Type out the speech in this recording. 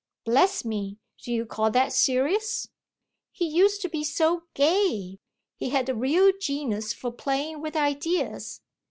"Bless me, do you call that serious?" "He used to be so gay. He had a real genius for playing with ideas.